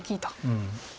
うん。